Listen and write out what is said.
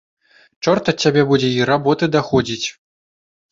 Чорт ад цябе будзе й работы даходзіць.